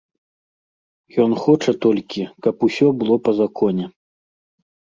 Ён хоча толькі, каб усё было па законе.